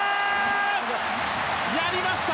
やりました！